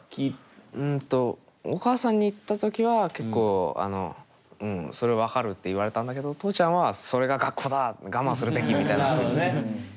うんとお母さんに言った時は結構それ分かるって言われたんだけど父ちゃんはそれが学校だ我慢するべきみたいなふうに。